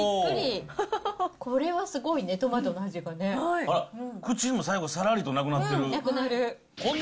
これはすごいな、トマトの味あら、口にも最後、さらりとうん、なくなる。